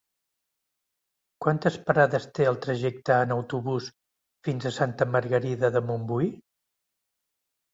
Quantes parades té el trajecte en autobús fins a Santa Margarida de Montbui?